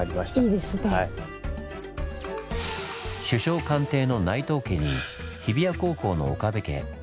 首相官邸の内藤家に日比谷高校の岡部家。